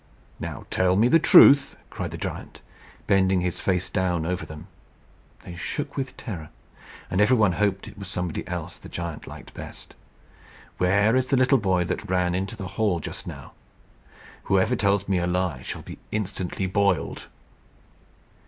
"Now tell me the truth," cried the giant, bending his face down over them. They shook with terror, and every one hoped it was somebody else the giant liked best. "Where is the little boy that ran into the hall just now? Whoever tells me a lie shall be instantly boiled."